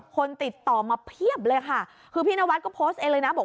คนติดต่อมาเพียบเลยค่ะคือพี่นวัดก็โพสต์เองเลยนะบอก